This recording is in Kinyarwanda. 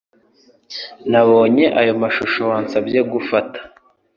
Nabonye ayo mashusho wansabye gufata